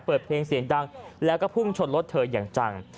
เปิดเพลงเสียงดังแล้วก็พุ่งชนรถเธออย่างจัง